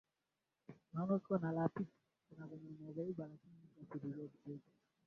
kwa kuwa husababisha magonjwa kama mapafu na kuharibu utindio wa ubongo